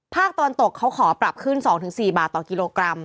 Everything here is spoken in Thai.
ตอนตกเขาขอปรับขึ้น๒๔บาทต่อกิโลกรัม